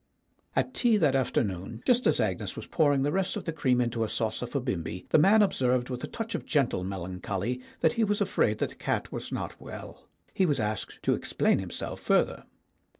At tea that afternoon, just as Agnes was pouring the rest of the cream into a saucer for Bimbi, the man observed with a touch of gentle melancholy that he was afraid that the cat was not well. He was asked to explain himself further.